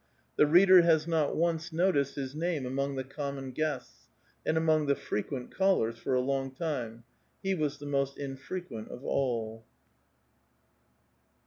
The reader has not once noticed his name among the common guests, and among the frequent callers for a long time ; he was the most infrequent of all.